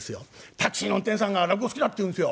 タクシーの運転手さんが落語好きだって言うんですよ。